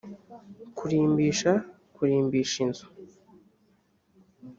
kurimbisha kurimbisha inzu